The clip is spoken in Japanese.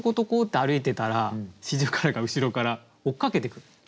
ッて歩いてたら四十雀が後ろから追っかけてくる。